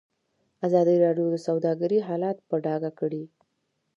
ازادي راډیو د سوداګري حالت په ډاګه کړی.